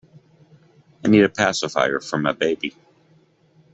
I need a pacifier for my baby.